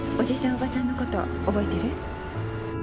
おばさんのこと覚えてる？